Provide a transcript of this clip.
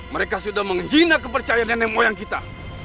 mereka sudah menghina kepercayaan nenek moyang kita